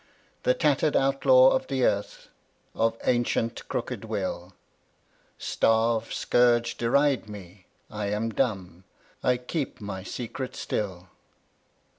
The tatter'd outlaw of the earth Of ancient crooked will Starve, scourge, deride me, I am dumb I keep my secret still.